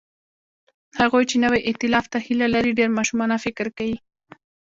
هغوی چې نوي ائتلاف ته هیله لري، ډېر ماشومانه فکر کوي.